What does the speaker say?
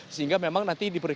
sehingga memang nanti diberikan